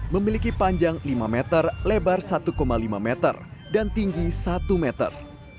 memiliki panjang lima meter lebar satu lima meter dan tinggi satu meter